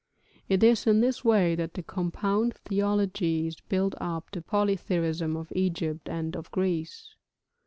It is in this way that the compound theologies built up the polytheism of Egypt and of Greece.